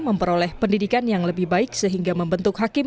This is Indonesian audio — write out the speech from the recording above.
memperoleh pendidikan yang lebih baik sehingga membentuk hakim